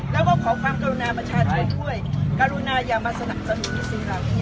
แล้วก็ขอความกรุณาประชาชนด้วยกรุณาอย่ามาสนับสนุนในสิ่งเหล่านี้